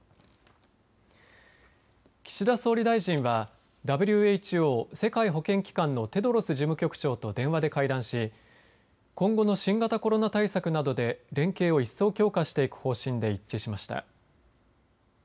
岸田総理大臣はＷＨＯ、世界保健機関のテドロス事務局長と電話で会談し今後の新型コロナ対策などで連携を一層強化していく方針で一致しました。